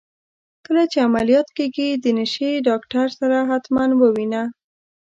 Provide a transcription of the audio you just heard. کله چي عمليات کيږې د نشې ډاکتر سره حتما ووينه.